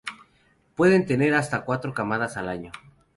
Pueden tener hasta cuatro camadas al año.